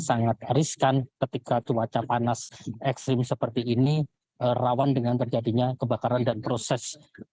sangat riskan ketika cuaca panas ekstrim seperti ini rawan dengan terjadinya kebakaran dan proses